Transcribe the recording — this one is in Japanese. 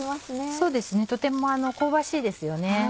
そうですねとても香ばしいですよね。